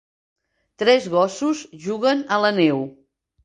Tres gossos juguen a la neu